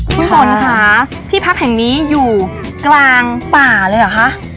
คุณฝนค่ะที่พักแห่งนี้อยู่กลางป่าเลยเหรอคะ